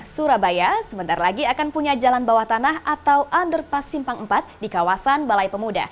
surabaya sebentar lagi akan punya jalan bawah tanah atau underpass simpang empat di kawasan balai pemuda